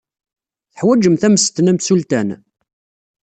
Teḥwajemt ammesten amsultan?